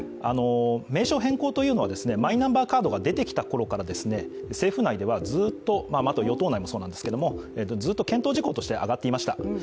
名称変更というのは、マイナンバーカードが出てきたころから政府内ではずっと、あと与党内もそうなんですけれどもずっと検討事項として上がっていました。